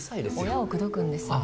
親を口説くんですあ